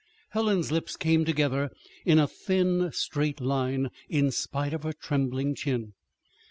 Helen's lips came together in a thin, straight line, in spite of her trembling chin.